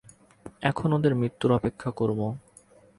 এখন ওদের মৃত্যুর অপেক্ষা করবো।